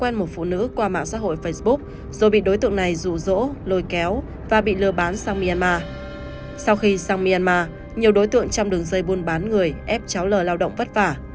nhiều đối tượng trong đường dây buôn bán người ép cháu lờ lao động vất vả